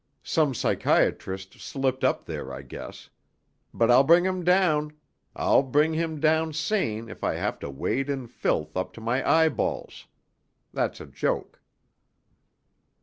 Some psychiatrist slipped up there, I guess. But I'll bring him down! I'll bring him down sane if I have to wade in filth up to my eyeballs! That's a joke."